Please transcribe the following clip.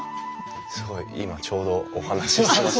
すごい今ちょうどお話ししてました。